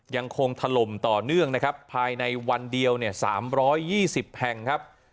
ถล่มต่อเนื่องนะครับภายในวันเดียวเนี่ย๓๒๐แห่งครับ